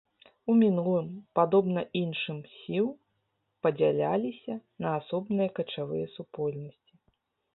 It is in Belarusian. У мінулым, падобна іншым сіў, падзяляліся на асобныя качавыя супольнасці.